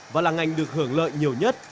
và là ngành được hưởng lợi nhiều nhất